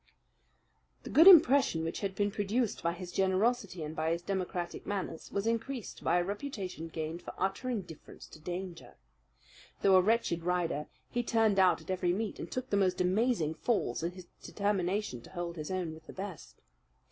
The good impression which had been produced by his generosity and by his democratic manners was increased by a reputation gained for utter indifference to danger. Though a wretched rider, he turned out at every meet, and took the most amazing falls in his determination to hold his own with the best.